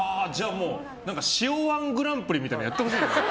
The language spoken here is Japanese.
塩１グランプリみたいなのやってほしいです。